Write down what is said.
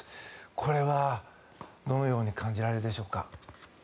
これはどのように感じられるでしょうか。